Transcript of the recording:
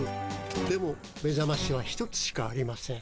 でもめざましは１つしかありません。